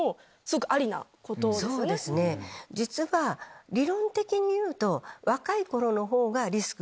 実は理論的にいうと。